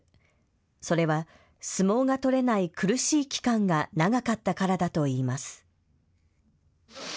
それは相撲が取れない苦しい期間が長かったからだといいます。